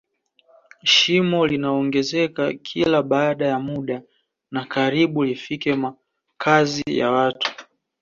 shimo linaongezeka kila baada ya muda na karibu lifikie makazi ya watu